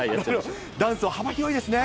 ダンスは幅広いですね。